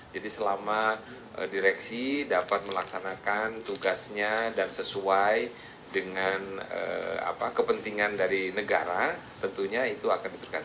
jadi selama direksi dapat melaksanakan tugasnya dan sesuai dengan kepentingan dari negara tentunya itu akan ditutupkan